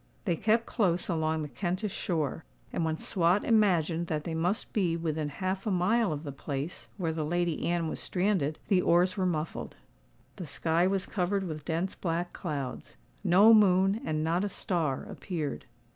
They kept close along the Kentish shore; and when Swot imagined that they must be within half a mile of the place where the Lady Anne was stranded, the oars were muffled. The sky was covered with dense black clouds: no moon and not a star appeared.